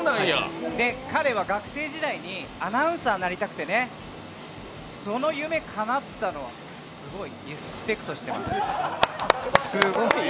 彼は学生時代にアナウンサーになりたくてその夢、かなったのはすごいリスペクトしています。